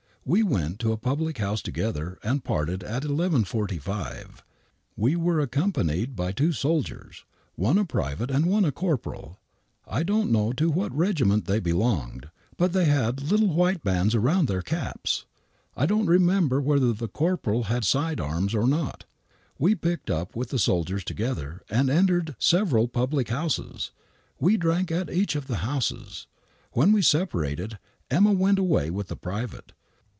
We went to a public house together and parted at 11.45. We were accompanied by two soldiers, one a private and one a corporal. I don't know to what regiment they belonged, but they had white bands around their caps. I don't remember whether the corporal had side arms or not. We picked up with the soldiers together and entered several public houses. We drank in each of the houses. When we separated, ' Emma ' went away with the private.